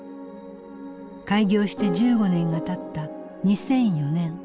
開業して１５年がたった２００４年。